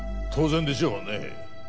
当然でしょうね